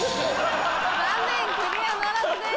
残念クリアならずです。